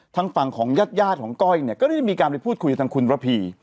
ทางฝั่งของญาติของก้อยเนี่ยก็ได้มีการไปพูดคุยกับทางคุณระพี